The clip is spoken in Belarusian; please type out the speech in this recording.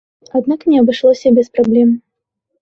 Аднак не абышлося без праблем.